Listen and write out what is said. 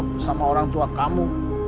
ibu istri kamu sama orang tua kamu